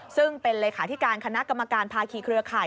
ซึ่งเป็นเลขาธิการคณะกรรมการภาคีเครือข่าย